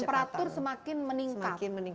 temperatur semakin meningkat